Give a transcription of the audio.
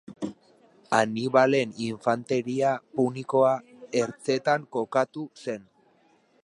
Hanibalen infanteria punikoa ertzetan kokatu zen.